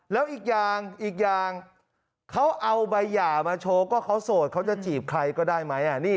แล้วอีกอย่างอีกอย่างเขาเอาใบหย่ามาโชว์ก็เขาโสดเขาจะจีบใครก็ได้ไหม